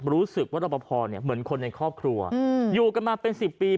รู้สึกว่ารอพอเนี่ยเหมือนคนในครอบครัวอืมอยู่กันมาเป็นสิบปี